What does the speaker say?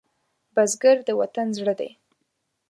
بزګر د وطن زړه دی